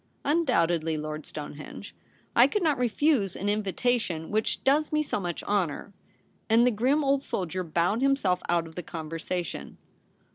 * Undoubtedly, Lord Stonehenge. I could not refuse an invitation which does me so much honour,' and the grim old soldier bowed himself out of the conversation.